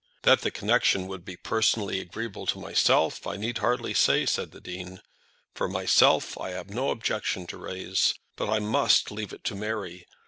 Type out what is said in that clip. "That the connection would be personally agreeable to myself, I need hardly say," said the Dean. "For myself, I have no objection to raise. But I must leave it to Mary.